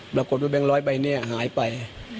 ปรากฏว่าแวงร้อยใบเนี่ยหายไป